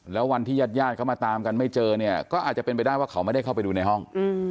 แล้ววันที่ญาติญาติเขามาตามกันไม่เจอเนี่ยก็อาจจะเป็นไปได้ว่าเขาไม่ได้เข้าไปดูในห้อง